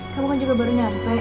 kamu kan juga baru nyampe